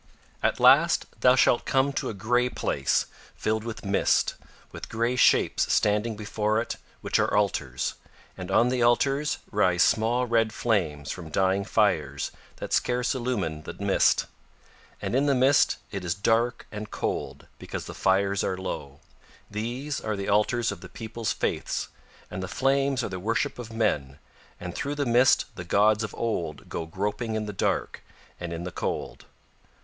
At last thou shalt come to a grey place filled with mist, with grey shapes standing before it which are altars, and on the altars rise small red flames from dying fires that scarce illumine the mist. And in the mist it is dark and cold because the fires are low. These are the altars of the people's faiths, and the flames are the worship of men, and through the mist the gods of Old go groping in the dark and in the cold.